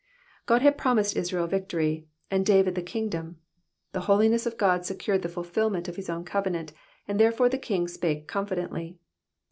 God had promised Israel victory, and David the kingdom ; the holiness of God secured the fulfilment of his own covenant, and therefore the king spake confidently.